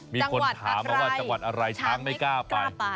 มีคนถามมาว่าจังหวัดอะไรช้างไม่กล้าไป